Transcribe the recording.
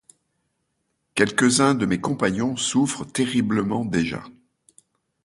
Quelques-uns de mes compagnons souffrent terriblement déjà.